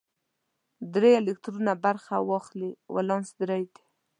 که درې الکترونه برخه واخلي ولانس درې دی.